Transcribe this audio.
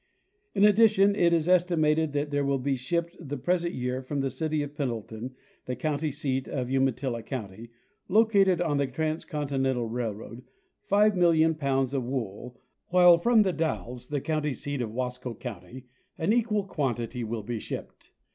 In addition, it is estimated that there will be shipped the present year from the city of Pendleton, the county seat of Uma tilla county, located on the transcontinental railroad, 5,000,000 pounds of wool, while from The Dalles, the county seat of Wasco county, an equal quantity will be shipped.